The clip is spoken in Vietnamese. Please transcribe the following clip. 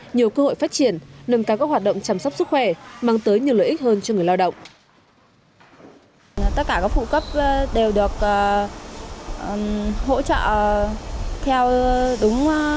nhiều cơ hội phát triển nâng cao các hoạt động chăm sóc sức khỏe mang tới nhiều lợi ích hơn cho người lao động